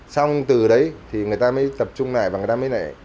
xong từ đấy thì người ta mới tập trung lại và người ta mới này